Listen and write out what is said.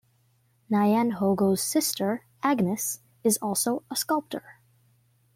Nyanhongo's sister Agnes is also a sculptor.